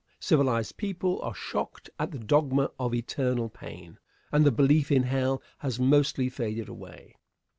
Civilized people are shocked at the dogma of eternal pain, and the belief in hell has mostly faded away.